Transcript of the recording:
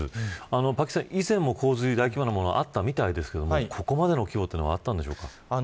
パキスタンは以前も洪水大規模なものがあったみたいですがここまでの規模ってうのはあったのでしょうか。